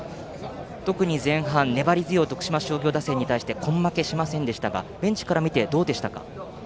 特に前半、粘り強い徳島商業打線に対して根負けしませんでしたがベンチから見てどうでしたか？